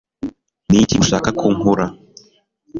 niki ushaka ko nkora